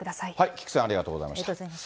菊池さん、ありがとうございました。